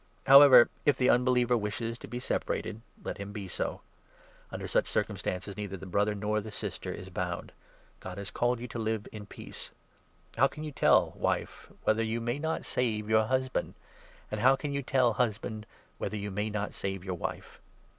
How i< ever, if the unbeliever wishes to be separated, let him be so. Under such circumstances neither the Brother nor the Sister is bound ; God has called you to live in peace. How can you i( tell, wife, whether you may not save your husband ? and how can you tell, husband, whether you may not save yo'ur wife?